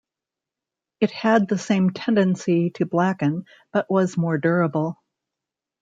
It had the same tendency to blacken, but was more durable.